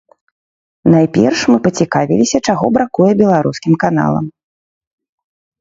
Найперш, мы пацікавіліся, чаго бракуе беларускім каналам.